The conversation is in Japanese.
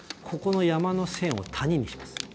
ここの山の線を谷にします。